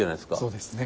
そうですね。